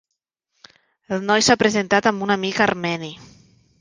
El noi s'ha presentat amb un amic armeni.